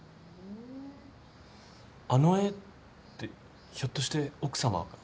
あの絵ってひょっとして奥様が？